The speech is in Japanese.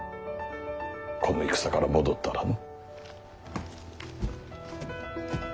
この戦から戻ったらの。